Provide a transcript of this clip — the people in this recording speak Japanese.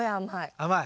甘い。